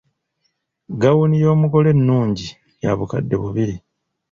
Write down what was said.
Gawuni y’omugole ennungi ya bukaddde bubiri.